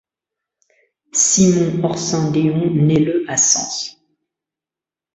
Simon Horsin-Déon naît le à Sens.